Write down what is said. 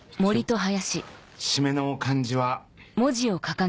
締めの漢字は。